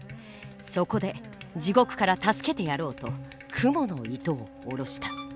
そこで地獄から助けてやろうと蜘蛛の糸を下ろした。